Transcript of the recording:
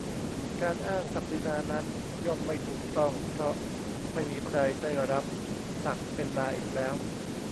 การอ้างศักดินานั้นย่อมไม่ถูกต้อง เพราะไม่มีใครได้รับศักดิ์เป็นนาอีกแล้ว